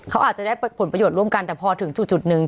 เขาอาจจะได้ผลประโยชน์ร่วมกันแต่พอถึงจุดหนึ่ง